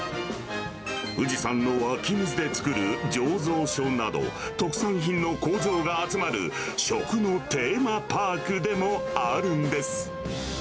富士山の湧き水で造る醸造所など、特産品の工場が集まる食のテーマパークでもあるんです。